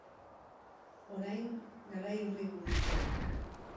Orain, garai horri buruzko.